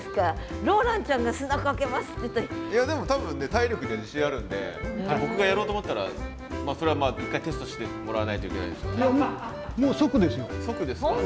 いやでも多分ね体力には自信あるんで僕がやろうと思ったらそれはまあ一回テストしてもらわないといけないですよね。